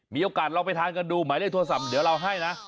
มีโอกาสลองไปทานกันดูหมายเลขโทรศัพท์เดี๋ยวเราให้นะ